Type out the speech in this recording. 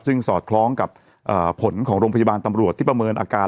ซึ่งสอดคล้องกับผลของโรงพยาบาลตำรวจที่ประเมินอาการ